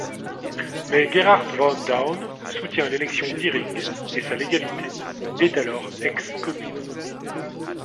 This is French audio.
Mais Gerhard von Dhaun soutient l'élection d'Iring et sa légalité, il est alors excommunié.